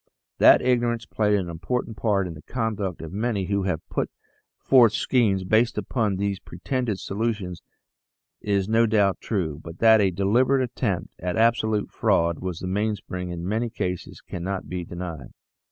That ignorance played an important part in the conduct of many who have put forth schemes based upon these pretended solutions is no doubt true, but that a deliberate attempt at absolute fraud was the mainspring in many cases cannot be denied.